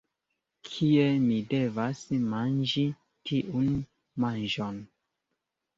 Kie mi devas manĝi tiun manĝon?